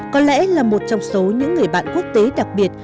có lẽ là một trong số những người bạn quốc tế đặc biệt